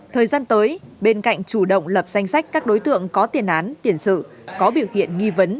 thời gian tới bên cạnh chủ động lập danh sách các đối tượng có tiền án tiền sự có biểu hiện nghi vấn